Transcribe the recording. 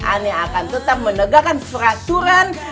aneh akan tetap menegakkan peraturan